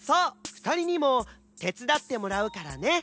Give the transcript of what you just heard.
ふたりにもてつだってもらうからね！